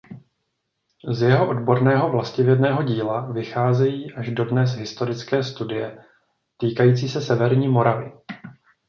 Z jeho odborného vlastivědného díla vycházejí až dodnes historické studie týkající se severní Moravy.